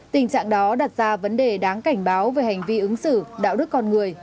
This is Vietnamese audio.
tình trạng đó đặt ra vấn đề đáng cảnh báo về hành vi ứng xử đạo đức con người